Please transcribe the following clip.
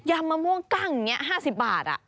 ำมะม่วงกั้งอย่างนี้๕๐บาท